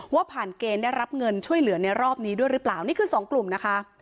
ว่าผ่านเกณฑ์ได้รับเงินช่วยเหลือในรอบนี้ด้วยหรือเปล่านี่คือสองกลุ่มนะคะ